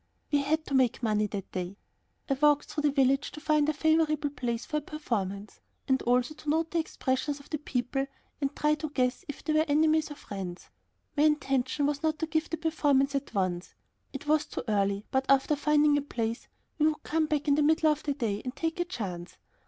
We had to make money that day. I walked through the village to find a favorable place for a performance, and also to note the expressions of the people, to try and guess if they were enemies or friends. My intention was not to give the performance at once. It was too early, but after finding a place we would come back in the middle of the day and take a chance.